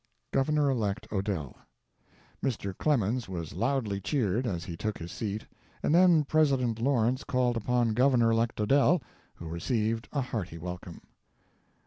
GOVERNOR ELECT ODELL. Mr. Clemens was loudly cheered as he took his seat, and then President Lawrence called upon Governor elect Odell, who received a hearty welcome.